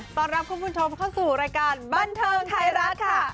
ต้อนรับคุณผู้ชมเข้าสู่รายการบันเทิงไทยรัฐค่ะ